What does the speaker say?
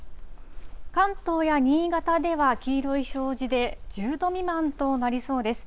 関東や新潟では黄色い表示で、１０度未満となりそうです。